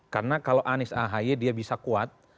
karena kalau anies ahy dia bisa kuat